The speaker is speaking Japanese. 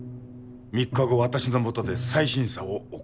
３日後私のもとで再審査を行う。